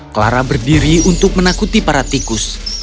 clara berdiri untuk menakuti para tikus